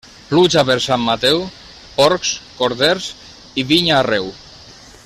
Pluja per Sant Mateu, porcs, corders i vinya arreu.